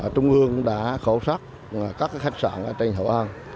trung ương cũng đã khẩu sát các cái khách sạn ở trên hậu an